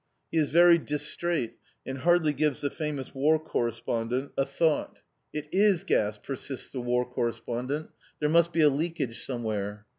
He is very distrait and hardly gives the famous War Correspondent a thought. "It is gas!" persists the War Correspondent. "There must be a leakage somewhere."